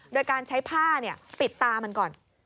โดยการใช้ผ้าปิดตามันก่อน